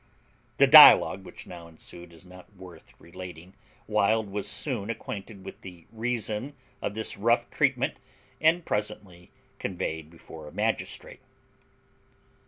The dialogue which now ensued is not worth relating: Wild was soon acquainted with the reason of this rough treatment, and presently conveyed before a magistrate.